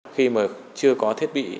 khi mà chưa có thiết bị